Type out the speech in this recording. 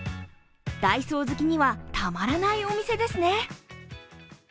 ダイソー好きには、たまらないお店ですね。